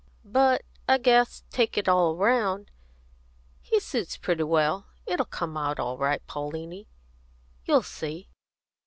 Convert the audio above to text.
But I guess, take it all round, he suits pretty well. It'll come out all right, Pauliny. You'll see."